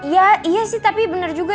ya iya sih tapi benar juga